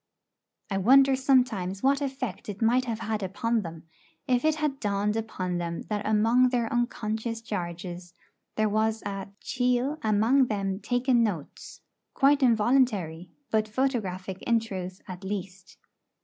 I wonder sometimes what effect it might have had upon them, if it had dawned upon them that among their unconscious charges there was a 'chiel amang them takin' notes,' quite involuntary, but photographic in truth at least.